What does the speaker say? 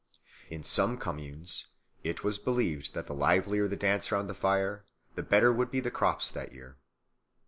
In some communes it was believed that the livelier the dance round the fire, the better would be the crops that year.